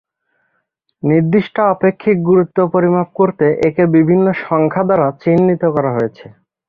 নির্দিষ্ট আপেক্ষিক গুরুত্ব পরিমাপ করতে একে বিভিন্ন সংখ্যা দ্বারা চিহ্নিত করা হয়েছে।